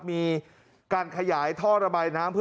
มีการขยายท่อระบายน้ำ